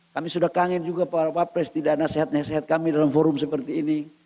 kami sudah kangen juga para wapres tidak nasihat nasihat kami dalam forum seperti ini